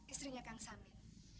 istrinya kang samir